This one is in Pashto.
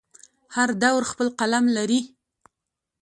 هر دور خپل قلم لري.